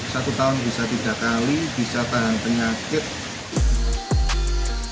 satu tahun bisa tiga kali bisa tahan penyakit